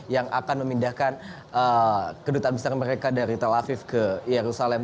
yang akan memindahkan kedutaan besar mereka dari tel aviv ke yerusalem